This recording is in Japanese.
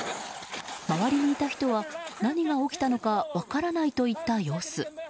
周りにいた人は、何が起きたのか分からないといった様子。